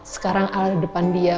sekarang ada depan dia